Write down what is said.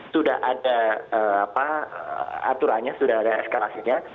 sudah ada aturannya sudah ada eskalasinya